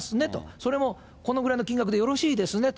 それもこのぐらいの金額でよろしいですねと。